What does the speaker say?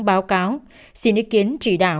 báo cáo xin ý kiến trì đạo